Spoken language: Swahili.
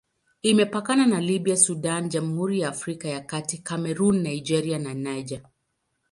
Imepakana na Libya, Sudan, Jamhuri ya Afrika ya Kati, Kamerun, Nigeria na Niger.